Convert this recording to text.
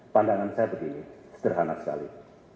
pandangan saya begini sederhana sekali